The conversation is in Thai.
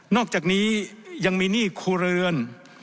อกจากนี้ยังมีหนี้ครัวเรือน